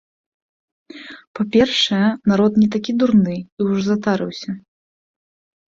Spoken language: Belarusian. Па-першае, народ не такі дурны і ўжо затарыўся.